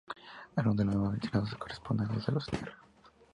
Algunos de los miembros mencionados no corresponden a los de los timbres..